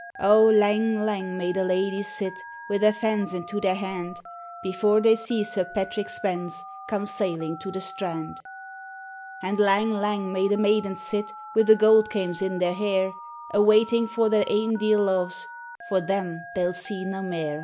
O lang lang may the ladyes sit, Wi' their fans into their hand, Before they see Sir Patrick Spens Come sailing to the strand! And lang lang may the maidens sit, Wi' the goud kaims in their hair, A' waiting for their ain dear loves For them they'll see na mair.